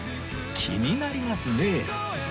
気になりますね